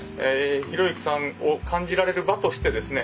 啓之さんを感じられる場としてですね